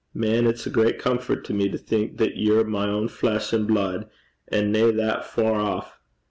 Man, it's a great comfort to me to think that ye're my ain flesh and blude, an' nae that far aff.